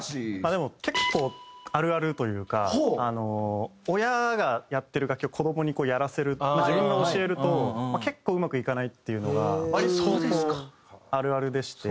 でも結構あるあるというかあの親がやってる楽器を子どもにこうやらせる自分が教えると結構うまくいかないっていうのが割とこうあるあるでして。